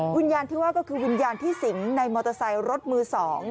วิญญาณที่ว่าก็คือวิญญาณที่สิงในมอเตอร์ไซค์รถมือ๒